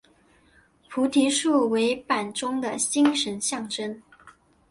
菩提树为板中的精神象征。